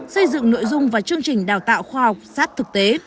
xây dựng nội dung và chương trình đào tạo khoa học sát thực tế